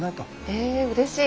えうれしい。